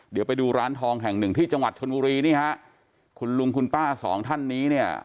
เดี๋ยวไปดูร้านทองแห่งหนึ่งที่จังหวัดชนบุรีนี่ฮะคุณลุงคุณป้าสองท่านนี้เนี่ย